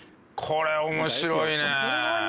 これ面白いね！